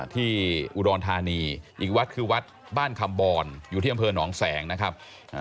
ที่อุดรธานีอีกวัดคือวัดบ้านคำบรอยู่ที่อำเภอหนองแสงนะครับ